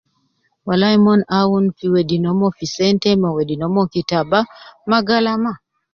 Walai mon awun fi wedi nomon fi sente me wedi nomon kitaba ma galama